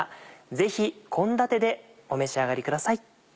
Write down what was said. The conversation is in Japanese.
ぜひ献立でお召し上がりください。